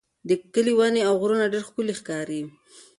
د کلي ونې او غرونه ډېر ښکلي ښکاري.